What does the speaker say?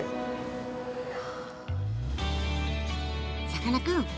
さかなクン！